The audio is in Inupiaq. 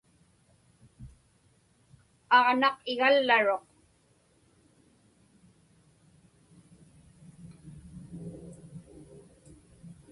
Aġnaq igallaruq.